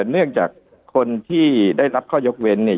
เนื่องจากคนที่ได้รับข้อยกเว้นเนี่ย